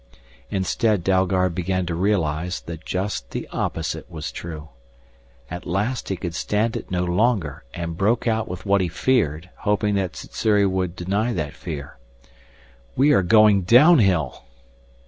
Instead Dalgard began to realize that just the opposite was true. At last he could stand it no longer and broke out with what he feared, hoping that Sssuri would deny that fear. "We are going downhill!"